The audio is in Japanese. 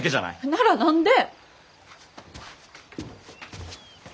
なら何で？